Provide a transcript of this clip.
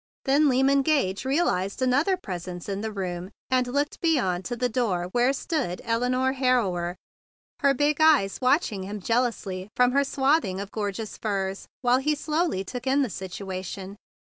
Then Lyman Gage realized another presence in the room, and looked beyond to the door where stood Elinore Harrower, her big eyes watching him jealously from her swathing of gorgeous furs, while he slowly took in the situation.